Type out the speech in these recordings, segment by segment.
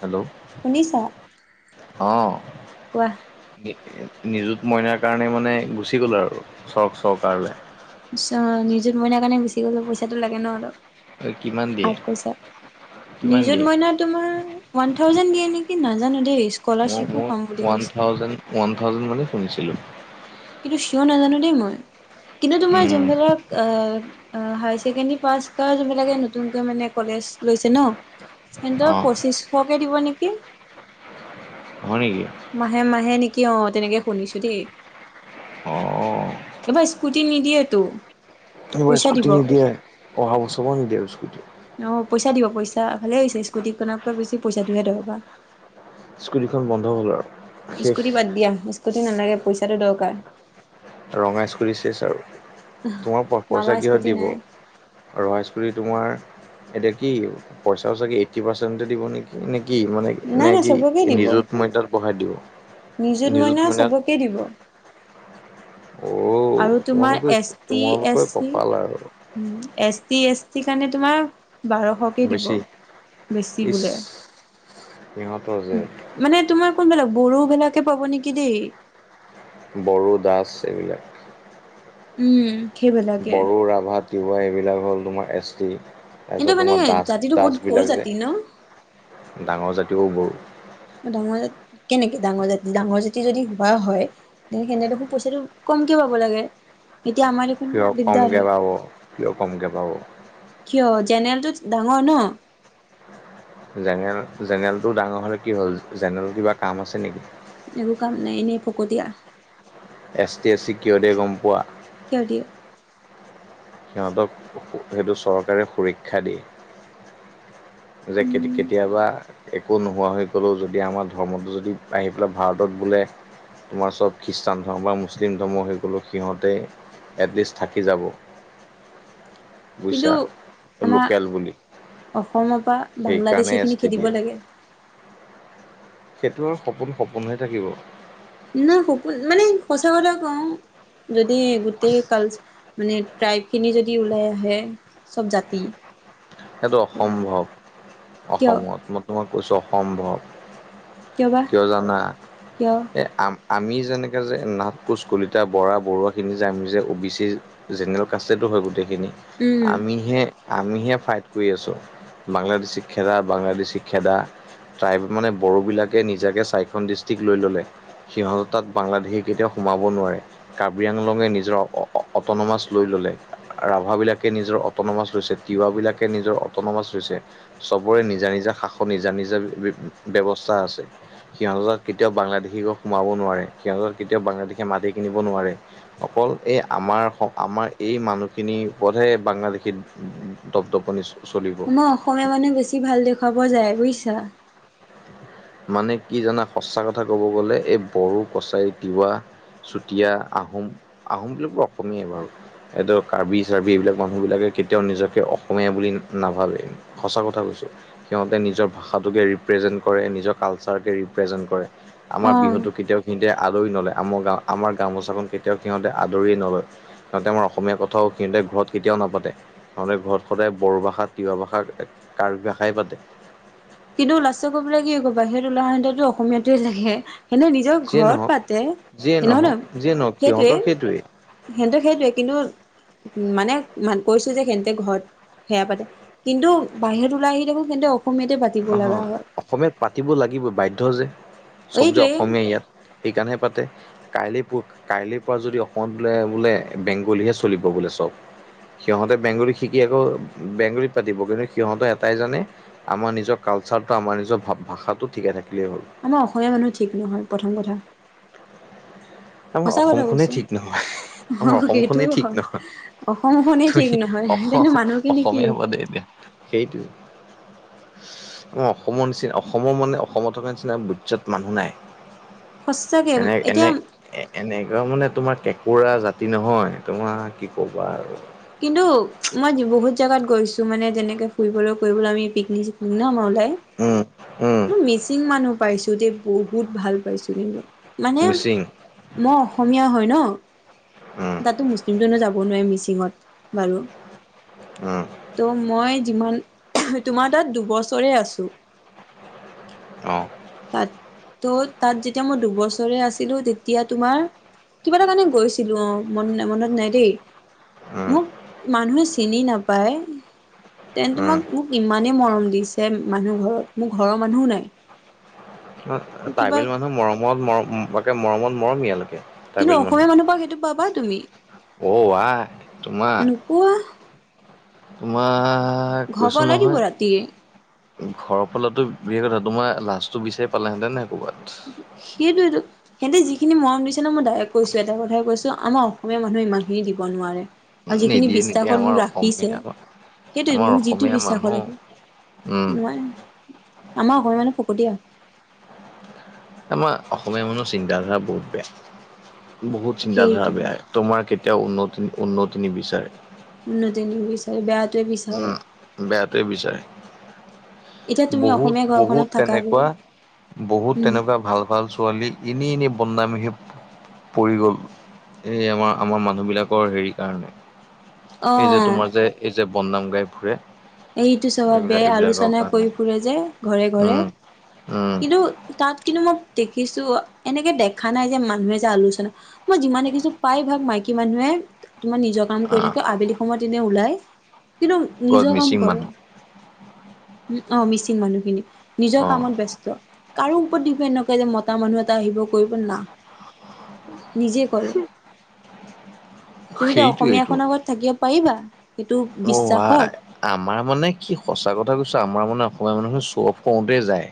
Hello শুনিছা? আহ কোৱা নিযুত মইনাৰ কাৰণে মানে গুচি গ'ল আৰু চৰক চৰকাৰলৈ। চ নিযুত মইনাৰ কাৰণে গুচি গ'লো পইচাটো লাগে ন কিমান দিয়ে অলপ। [unintelligible] কৈছা, কিমান নিযুত দিয়ে মইনা তোমাৰ ৱান থাউজেণ্ড দিয়ে নেকি নাজানো দেই। স্কলাৰশ্বিপো ম-মও পাম বুলি ৱান কৈছে। থাউজেণ্ড, ৱান থাউজেণ্ড বুলিয়ে শুনিছিলো। কিন্তু চিউৰ নাজানো দেই মই। কিন্তু তোমাৰ জোনবিলাক অ-অ হাই ছেকেণ্ডাৰী পাছ কৰা যোনবিলাকে নতুনকৈ মানে কলেজ লৈছে ন? হেতৰ অঁ পঁচিছশকে দিব নেকি? হয় নেকি? মাহে-মাহে নেকি অ, তেনেকে শুনিছো দেই। অঁ এইবাৰ স্কুটি নিদিয়েতো। এইবাৰ পইচা দিব। স্কুটি নিদিয়ে, অহা বছৰ পৰা নিদিয়ে আৰু স্কুটি। অ, পইচা দিব পইছা। ভালে হৈছে স্কুটিখনতকৈ বেছি পইছাটোহে দৰকাৰ। স্কুটিখন বন্ধ হ'ল আৰু। শেষ স্কুটি বাদ দিয়া। স্কুটি নালাগে, পইছাটো দৰকাৰ। ৰঙা স্কুটি ছেছ আৰু। তোমাৰ মামা প-পইচা কিহত স্কুটি দিব? নাই ৰঙা স্কুটি তোমাৰ, এতিয়া কি? পইছাও চাগে এইটি পাৰ্চেন্তে দিব নেকি? নে কি মানে? নাই এনে নাই কি চবকে দিব নিযুত মই তাত বঢ়াই দিব? নিযুত মইনাত কে দিব। অ আৰু তোমাৰ তোমালোকে এছ টি, তোমালোকৰ এছ চি। কপাল আৰু উম। এছ টি, এছ টিৰ কাৰণে তোমাৰ বাৰশকে দিব। বেছি বেছি ইচ বোলে। সিহঁতৰ যে মানে তোমাৰ কোনবিলাক, বড়োবিলাকে পাব নেকি দেই। বড়ো, দাস এইবিলাক। উম। সেইবিলাকে বড়ো, ৰাভা, তিৱা এইবিলাক হ'ল তোমাৰ এছ টি। কিন্তু তাৰপিছত মানে তোমাৰ জাতিটো বহুত সৰু দাস-দাসবিলাক যে, জাতি ন ডাঙৰ জাতীয় বৰো। ডাঙৰ জাত, কেনেকে ডাঙৰ জাতি? ডাঙৰ জাতি যদি হোৱা হয়, দে হেনে দেখোন পইছাটো কমকে পাব লাগে। এতিয়া আমাৰ কিয় দিগদাৰ কমকৈ হয় পাব! কিয় কমকৈ পাব? কিয়? জেনেলটোত ডাঙৰ ন? জেনেৰেল জেনেৰেলটো ডাঙৰ হ'লে কি হ'ল? জেনেৰেল কিবা কাম আছে নেকি? একো কাম নাই। এনেই ফকতীয়া। এছ টি, এছ চি কিয় দিয়ে গম পোৱা? কিয় দিয়ে? সিহঁতক সেইটো চৰকাৰে সুৰক্ষা দিয়ে। যে উম কে-কেতিয়াবা একো নোহোৱা হৈ গ'লেও যদি আমাৰ ধৰ্মটো যদি আহি পেলাই ভাৰতত বোলে তোমাৰ চব খ্ৰীষ্টান ধৰ্ম বা মুছলিম ধৰ্ম সকলো সিহঁতেই। এটলিষ্ট থাকি যাব। কিন্তু বুজিছা আমাৰ লোকেল বুলি অসমৰ পৰা সেইকাৰণে বাংলাদেশী এছ খিনি টি খেদিব দিয়ে লাগে। সেইটো আৰু সপোন, সপোন হৈয়ে থাকিব। নাই সপোন, মানে সঁচা কথা কওঁ, যদি গোটেই কাল মানে ট্ৰাইবখিনি যদি ওলাই আহে, চব জাতি সেইটো অসম্ভৱ কিয় অসমত। মই তোমাক কৈছো অসম্ভৱ। কিয় জানা? কিয় এই আম আমি যেনেকে যে নাথ, কোচ, কলিতা, বৰা, বৰুৱাখিনি যে আমি যে O B C general caste এ টো হয় গোটেইখিনি। উম আমিহে-আমিহে ফাইত কৰি আছো, বাংলাদেশীক খেদা, বাংলাদেশীক খেদা। তাই মানে বড়োবিলাকে নিজাকে চাৰিখন ডিষ্ট্ৰিক্ট লৈ ল'লে। সিহঁতৰ তাত বাংলাদেশে কেতিয়াও সোমাব নোৱাৰে। কাৰাবি আংলঙে নিজৰ অ' অটনমাছ লৈ ললে। ৰাভাব বিলাকে নিজৰ অটনমাছ লৈছে, তিৱাবিলাকে নিজৰ অটনমাছ লৈছে। চবৰে নিজা- নিজা শাখৰ নিজা নিজা ব্যৱস্থা আছে। সিহঁতৰ তাত কেতিয়াও বাংলাদেশী গৈ সোমাব নোৱাৰে, সিহঁতৰ তাত কেতিয়াও বাংলাদেশে মাটি কিনিব নোৱাৰে। অকল এই আমাৰ- আমাৰ এই মানুহখিনিৰ ওপৰতহে বাংলাদেশী দপদপ। শুনিছো। আমাৰ অসমীয়া মানে বেছি ভাল দেখুৱাব যায় বুজিছা। মানে কি জানা সঁচা কথা ক'ব গ'লে, এই বড়ো কছাৰী তিৱা। চুতীয়া আহোম - আহোম বিলাক অসমীয় বাৰু। এইদৰ কাৰ্বি - চাৰ্বি এইবিলাক মানুহবিলাকে কেতিয়াও নিজকে অসমীয়া বুলি নাভাবে। সঁচা কথা কৈছোঁ, সিহঁতে নিজৰ ভাষাটোকে ৰিপ্ৰেজেণ্ট কৰে নিজক কালচাৰ কে ৰিপ্ৰেজেন্ট কৰে, আমাৰ অ বিহুতটো কেতিয়াও। সিহঁতে আদৰি নলয় আমাৰ গাঁও আমাৰ গামোচাখন কেতিয়াও সিহঁতে আদৰিয়ে নলয়। সিহঁতে আমাৰ অসমীয়া কথাও সিহঁতে ঘৰত কেতিয়াও নাপাতে। সিহঁতে ঘৰত সদায় বড়ো ভাষা তিৱা ভাষা কাৰ্বি ভাষাই পাতে। কিন্তু লাষ্টে গৈ পেলাই কি কব বাহিৰত উলাই আহোঁতে অসমীয়াতো লাগে। নিজৰ যিয়ে ঘৰত নহওঁক পাতে, যিয়ে সেই নহয়- নহওক নহয় যিয়ে নহওক সেইটোৱে। সিহঁতৰ সেইটোৱেই সেহটো, সেইটোৱে কিন্তু, মানে কৈছো যে সিহঁতে ঘৰত সেয়া পাতে, কিন্তু বাহিৰত ওলাই আহি দেখো, তেন্তে অসমীয়াতে পা অ, হ অসমীয়াত পাতিব লাগিবই, বাধ্য যে চ'ব যে এইটোৱে অসমীয়া ইয়াত। সেইকাৰণহে পাতে। কাইলৈ প, কাইলৈ পৰা যদি অসমত বোলে, বোলে বেংগলীহে চলিব বোলে, চ'ব। সিহঁতে বেংগলী শিকি আকৌ, বেংগলীত পাতিব কিন্তু সিহঁতে এটাই জনে আমাৰ নিজৰ কালচাৰটো, আমাৰ নিজৰ ভা-ভাষাটো ঠিকে থাকিলেই হ'ল। আমাৰ অসমীয়া মানুহ ঠিক নহয়, প্ৰথম কথা। আমাৰ সঁচা কথা অসমখনেই, কৈছো ঠিক নহয়। আমাৰ অ' অসমখনেই সেইটোও ঠিক হয় নহয়, অসমখনেই ঠিক তুমি নহয় তেন্তে অসম, মানুহখিনি কি অসমীয়া হ'ব বাদেই দিয়া। সেইটোৱে। অ, অসমৰ নিচিনা, অসমৰ মানে অসমত থকা নিচিনা, বৈজ্জাত মানুহ নাই। সঁচাকে এনে, এনে, এতিয়া এ, এনেকুৱা মানে তোমাৰ কেঁকোৰা জাতি নহয়, তোমাৰ কি কবা আৰু। কিন্তু মই বহুত জাগাত গৈছো, মানে যেনেকে ফুৰিবলৈ কৰিবলৈ আমি পিকনিক-চিকনিক ন, মনদাই উম, উম মই মিচিং মানুহ পাইছো, দেই বহুত ভাল পাইছো কিন্তু, মানে মিচিং মই অসমীয়া হয় ন, উম তাততো মুছলিমটো এনেও যাব নোৱাৰি মিচিঙত। বাৰু। উম, ত, মই যিমান, তোমাৰ তাত দুবছৰে আছোঁ। অঁ তাত তো, তাত যেতিয়া মই দুবছৰে আছিলো তেতিয়া তোমাৰ কিবা এটা কাৰণে গৈছিলোঁ। অ, মন-মনত নাই দেই। উম মোক মানুহে, চিনি নাপায়। তেন্তে, উম তোমাক মোক ইমানেই মৰম দিছে মানুহ ঘৰত, মোৰ ঘৰৰ মানুহো নাই। মোক কিবা ট্ৰাইবেল মানুহ মৰমত, মৰম এই, মৰমত মৰম একে মৰমিয়াল একে। কিন্তু অসমীয়া মানুহৰ পা, সেইটো পাবা তুমি? ও, আ, তোমাক [inaudible] তোমাক, ঘৰৰ পৰা কৈছোঁ ওলাই দিব নহয়। ৰাতিয়ে ঘৰৰ ফালো বি, কথা তোমাৰ লাচটো বিচাৰি পালেহেঁতেন, নে নাই ক'ৰবাত। সেইটোইটো। সিহঁতে যিখিনি মৰম দিছে ন, মই ডাইৰেক্ট কৈছো এটা কথাই কৈছো, আমাৰ অসমীয়া মানুহে ইমানখিনি দিব নোৱাৰে। আৰু যিখিনি নিদিয়ে নিদিয়ে বিশ্বাসত আমাৰ মোক ৰাখিছে, অসমীয়া সেইটো আমাৰ মোক যিটো অসমীয়া বিশ্বাসত মানুহ ৰাখি উম নোৱাৰ, আমাৰ অসমীয়া মানুহ ফকতিয়া। আমাৰ অসমীয়া মানুহৰ চিন্তাধাৰা বহুত বেয়া, বহুত চিন্তাধাৰা সেইটোৱে বেয়া। তোমাৰ কেতিয়াও উন্নতি, উন্নতি নিবিচাৰে। উন্নতি নিবিচা উম, বেয়াটোৱে এতিয়া বিচাৰে। তুমি অসমীয়া বহুত, ঘৰখনত বহুত থাকাগৈ তেনেকুৱা, বহুত উম তেনেকুৱা ভাল ভাল, ছোৱালী এনেই, এনেই বদনাম সি পৰি গ'ল, এই আমাৰ আমাৰ মানুহবিলাকৰ হেৰি কাৰণে। এই যে অ তোমাৰ যে, এই যে বদনাম গাই ফুৰে। এইটো স্বভাৱ এইবিলাক বেয়া এইবিলাকৰ আলোচনা কৰি কাৰণে ফুৰে যে, ঘৰে, ঘৰে উম উম কিন্তু তাত কিন্তু মই দেখিছো এনেকে দেখা নাই যে মানুহে যে আলোচনা- মই যিমান দেখিছো প্ৰায় ভাগ মাইকী মানুহে তোমাৰ নিজক- কাম কৰি আহ থাকে আবেলি সময়ত এনে ওলাই কিন্তু, গড নিজৰ কাম- মিচিং মানুহ উম' অঁ মিচিং মানুহখিনি নিজৰ অ কামত ব্যস্ত। কাৰো ওপৰত ডিপেণ্ড নকৰে যে মতা মানুহ এটা আহিব কৰিব না। নিজে কৰে। তুমি এতিয়া অসমীয়া খনৰ আগত থাকিব পাৰিবা? সেইটো অঁ বিশ্বাসত আই। আমাৰ মানে কি সঁচা কথা কৈছো আমাৰ মানে অসমীয়া মানুহখিন চ অফ কৰোতে যায়।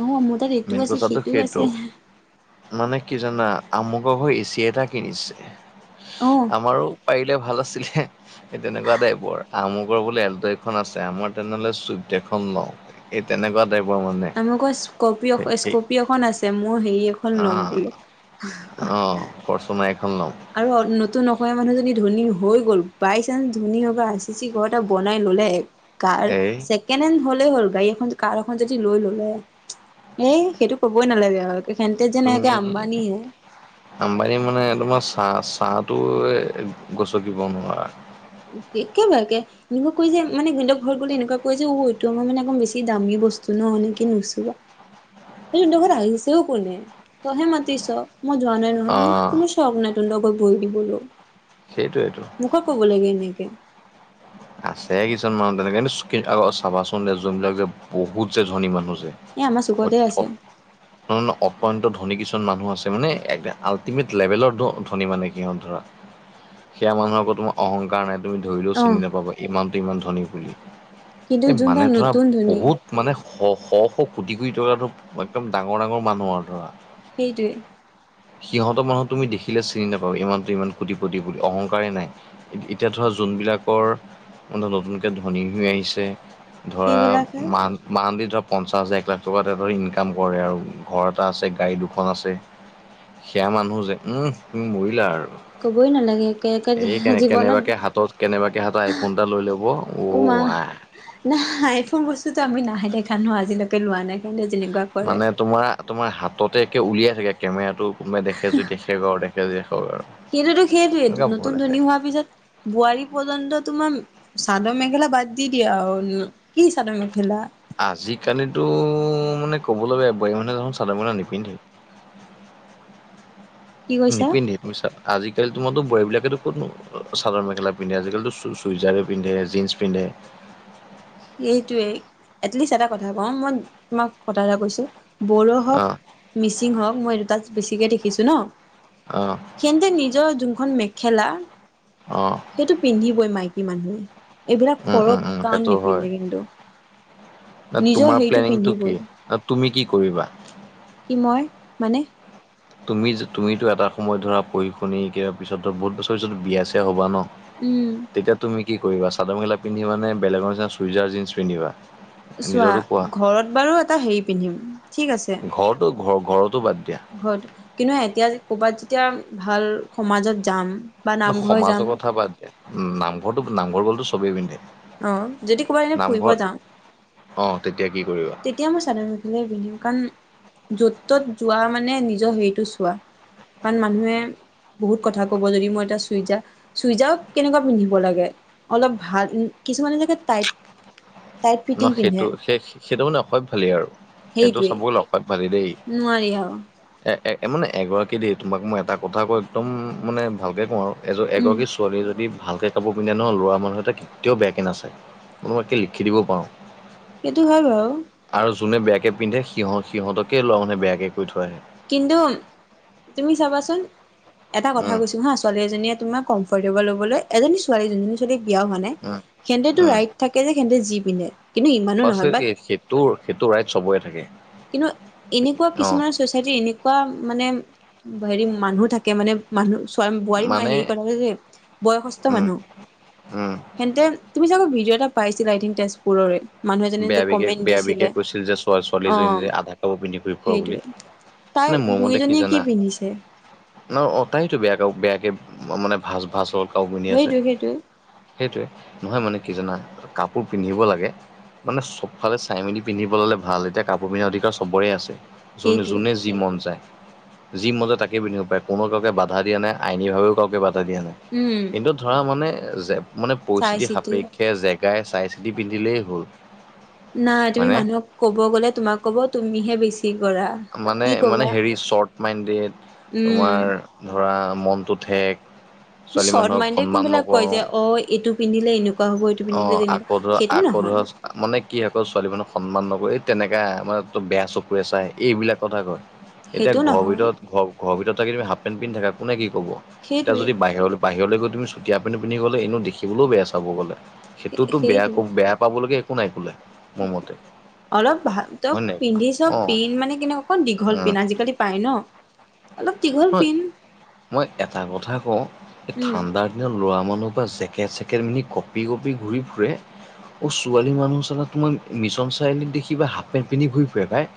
নহ মোৰ তাত মেইন এইটোও আছে কথাটো সিটোও সেইটো আছে। মানে কি জানা আমুকৰ ঘৰত এচি এটা কিনিছে। অ আমাৰো পাৰিলে ভাল আছিলে সেই তেনেকুৱা টাইপৰ। আমুকৰ বোলে এলট- খন আছে আমাৰ তেনেহলে চুইপ্ত এখন লওঁ এই তেনেকুৱা টাইপৰ মানে। নোক স্কৰপিও সেই স্কৰপিও এখন আছে মোৰ হেৰি এখন লম আহ বুলে। আহ ফৰচুনাৰ এখন ল'ম। আৰু নতুন অ অসমীয়া মানুহজনী ধনী হৈ গল বাই চান্স ধনী হব আচিচি ঘৰ এটা বনাই ললে- কাৰ এই চেক- কেনেন হ'লেই হ'ল গাড়ী এখন কাৰ এখন যদি লৈ ললে এ সেইটো কবই নালাগে আৰু। সেন্তে যেন একে তুমি, আম্বানীহে আম্বানী মানে তোমাৰ চাঁহ চাঁহটো গচকিব নোৱাৰা। একে লাগে। এনেকুৱা কয় যে মানে হেঁত ঘৰত গ'লে এনেকুৱা কয় যে এইটো মাৰ মানে বেছি দামী বস্তু ন এনেকে নুচুবা। সেইট ঘৰত আহিছেও কোনে তইহে মাতিছ। মই যোৱা নাই নহয় মোক অ' কোনো স্বক তোহোতৰ ঘৰত ভৰি দিবলও। সেইটোৱেটো। কক ক'ব লাগে এনেকে। আছে কিছুমান মানুহ তেনেকে কি চাবাচোন যোন বিলাক যে বহুত যে ধনী মানুহ যে, - এ আমাৰ চুকতে আছে [unintelligible] নহ অপন্ত্য ধনী কিছুমান মানুহ আছে মানে আল্টিমেট লেভেলৰ ধনী মানে। সিহঁত ধৰা সেয়া মানুহৰ ক'তো অহংকাৰ নাই। তুমি ধৰিলেও অ চিনি নাপাবা এই মানুহটো ইমান ধনী বুলি কিন্তু এই মানে যোনবিলাক ধৰা নতুন ধনী বহুত- মানে শ শ শ কোটি কোটি টকাতৰ একদম ডাঙৰ ডাঙৰ মানুহ আৰু ধৰা। সেইটোৱেই। সিহঁত মানুহ তুমি দেখিলে চিনি নাপাবা, এই মানোতো ইমান কোটিপতি বুলি অহংকাৰেই নাই। এতিয়া ধৰা যোনবিলাকৰ- নতুনকে ধনী হৈ আহিছে ধৰা সেইবিলাকে মান- মানলি ধৰা পঞ্চাছ হাজাৰ এক লাখ টকা ধৰ ইনকাম কৰে আৰু ঘৰ এটা আছে গাড়ী দুখন আছে, - সেয়া মানুহ যে, উমহ তুমি মৰিলা আৰু। ক'বই নালাগে একে এই কেনে জীৱনত কেনেবাকে হাতত কেনেবাকে হাতত আই- ফোন এটা লৈ ল'ব অ আ। না আইফোন বস্তুটো আমি নাই দেখা নহয় আজিলেকে লোৱা নাই হেঁতে তেনেকুৱা কৰে। মানে তোমাৰ তোমাৰ হাততে একে উলিয়াই থাকে কেমেৰাটো কোনোবাই দেখে যদি দেখে বাৰু আৰু দেখিলে দেখক আৰু। সেইটোতো সেইটোৱেই এনেকুৱা বহুত নতুন আছে ধনী হোৱাৰ পিছত বোৱাৰী পৰ্যন্ত তোমা- চাদৰ মেখেলা বাদ দি দিয়া আও। কি চাদৰ মেখেলা? আজিকালিতো মানে ক'বলৈ বেয়া বোৱাৰী মানুহে দেখোন চাদৰ মেখেলা নিপিন্ধেই। কি কৈছা নিপিন্ধি তুমি ছা আজিকালি তোমাৰো বোৱাৰী বিলাকেতো ক'ত নো চাদৰ মেখেলা পিন্ধে আজিকালিটো চুইজাৰে পিন্ধে জিনন্ছ পিন্ধে সেইটোৱে এটলিষ্ট এটা কথা কওঁ মই তোমাক কথা এটা কৈছো বড়ো হওক অ মিচিং হওক মই দুটাত বেছিকৈ দেখিছোঁ ন অ সন্তে নিজৰ যোনখন মেখেলা অঁ সেইটো পিন্ধিবই মাইকী মানুহে এইবিলাক উম ফৰক উম উম কাৰণ সেইটো নি ন নিজৰ তোমাৰ হেৰিটো প্লেনিংটো পিন্ধিবই কি ন তুমি কি কৰিবা। কি মই মানে তুমি যে তুমিতো এটা সময়ত ধৰা পৰি শুনি কাৰ পিছত ধৰা বহুত বছৰ পিছত বিয়া চিয়া হবা ন। উম! তেতিয়া তুমি কি কৰিবা চাদৰ মখেলা পিন্ধিবানে বেলেগৰ নিচিনা চুইজাৰ জীন্স পিন্ধিবা চোৱা নিজৰতো কোৱা। ঘৰত বাৰু এটা হেৰি পিন্ধিম ঠিক ঘৰতো ঘ ঘৰতো বাদ দিয়া। ঘ কিন্তু এতিয়া ক'ৰবাত যেতিয়া ভাল সমাজত যাম। বা ন নামঘৰ যাম সমাজৰ কথা বাদ দে নামঘৰটো নামঘৰ গ'লতো চবেই পিন্ধে অ যদি কবা দিনে ফুৰিব নামঘৰত যাওঁ। অ তেতিয়া কি কৰিবা এতিয়া মই চাদৰ মেখেলাই পিন্ধিম কাৰণ য'ত ত'ত যোৱা মানে নিজৰ হেৰিটো চোৱা কাৰণ মানুহে বহুত কথা কব যদি মই এটা চুইজা চুইজা কেনেকুৱা পিন্ধিব লাগে। অলপ ভাল কিছুমানে জেগাত তাইত ন সেইটো সেই সেইটো মানে অসভ ভালেই আৰু সেইটো সেইটোৱে চাব গ'লে অসভ্য ভালেই দেই নোৱাৰি আ এ এ মানে এগৰাকী দেই তোমাক মই এটা কথা কওঁ একদম মানে ভালকে কওঁ আৰু উম এগৰাকী ছোৱালীয়ে যদি ভালকে কাপোৰ পিন্ধে ন লৰা মানুহ এটা কেতিয়াও বেয়া কে নাচায় মই মাকে লিখি দিব পাৰো। সেইটো হয় বাৰু। আৰু যোনে বেয়াকৈ পিন্ধে সিহঁত সিহঁতকে লোৱা মানুহে বেয়াকৈ কৈ থৈ আহে। কিন্তু তুমি চাবাচোন এটা কথা উম কৈছোঁ হাঁ ছোৱালী এজনীয়ে তোমাক কমফৰ্টেবল হ'বলৈ এজনী ছোৱালী যোনজনী বিয়া হোৱা নাই উম সেনতেটো উম ৰাইট থাকে যে সেনতে যি পিন্ধে কিন্তু ইমানো নহয় পাছত বাট এই সেইটো সেইটো ৰাইত চবৰে থাকে কিন্তু এনেকুৱা অ' কিছুমানৰ ছ'চাইটিৰ এনেকুৱা মানে হেৰি মানুহ থাকে মানে মানুহ বোৱাৰী মানে হেৰি কৰা যে বয়সস্থ উম মানুহ উম তেন্ততে তুমি যে আকৌ ভিডিঅ' এটা পাইছিল আই থং তেজপুৰৰে মানুহ এজনীয়ে যে বেয়া বিকে কমেণ্ট বেয়া বিকে দিছিলে কৈছিল যে ছ অ ছোৱালীজনী যে আধা কাপোৰ পিন্ধি ঘুৰি ফোৱা বুলি সেইটোৱে তাই মানে মোৰ মতে কি বুঢ়ীজনীয়ে জানা। পিন্ধিছে নহ অ তাইতো বেয়া ক বেয়াকে মানে ভাজ ভাজ হল কাও কিনি আছে সেইটোৱে সেইটোৱে সেইটোৱে নহয় মানে কি জনা কাপোৰ পিন্ধিব লাগে। মানে চবফালে চাই মেলি পিন্ধিব ললে ভাল এতিয়া কাপোৰ পিন্ধাৰ অধিকাৰ চবৰে আছে। যোনে সেইটোৱে যোনে যি মন যায়। যিম মতে তাকে বিধিব পাৰে কোনো কাকে বাধা দিয়া নাই আইনী ভাৱেও কাকোৱেই বাধা দিয়া নাই উম কিন্তু ধৰা মানে মানে চাই পৰিস্থিতি চিতি সাপেক্ষে জেগাই চাই চিতি পিন্ধিলেই হ'ল নাই তুমি হয়নে মানুহক ক'ব গ'লে তোমাক ক'ব তুমিহে বেছি কৰা মানে কি মানে কবা হেৰি চৰ্ট মাইণ্ডেড উম তোমাৰ ধৰা মনটো ঠেক, ছোৱালী শৰ্ট মানুহক মাইণ্ডেড সন্মান কোনবিলাক কয় নকৰো, যে অ এইটো পিন্ধিলে এনেকুৱা হ'ব এইটো অ পিন্ধিলে তেনেকুৱা আকৌ ধৰা সেইটো আকৌ নহয় ধৰা মানে কি অকল ছোৱালী মানুহক সন্মান নকৰে এই তেনেকা মানে তো বেয়া চকুৰে চাই, এইবিলাক কথা কয়, এতিয়া সেইটো ঘৰ নহয় ভিতৰত ঘৰ ঘৰৰ ভিতৰত তাক তমি হাফ পেণ্ট পিন্ধি থাকা কোনে কি ক'ব, এতিয়া সেইটোৱে যদি বাহিৰলৈ বাহিৰলৈ গৈ তুমি চুটি হাফপেনটো পিন্ধি গ'লে এনেও দেখিবলৈও বেয়া চাব গ'লে, সেইটোতো বেয়া সেইটোৱে বেয়া পাবলৈকে একো নাই বোলে, মোৰ মতে অলপ ভাল ত হয় নাই পিন্ধি চব অ', পিন্ধ মানে কেনেকুৱা, অকণ দীঘল উম, পিন আজিকালি পায় ন, অলপ দীঘল হই, পিন মই এটা কথা কওঁ এই উম ঠাণ্ডাৰ এ ল'ৰা মানুহ বা পৰা জেকেট চেকেট মেলি কঁপি কপি ঘূৰি ফুৰে, অ ছোৱালী মানুহ চালা তোমাৰ মিছন চাৰিআলিত দেখিবা হাফ পেন্ট পিন্ধি ঘূৰি ফুৰে ভাই,